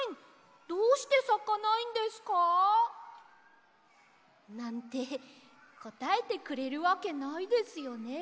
どうしてさかないんですか？なんてこたえてくれるわけないですよね。